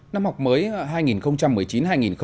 năm học mới hai nghìn một mươi chín hai nghìn hai mươi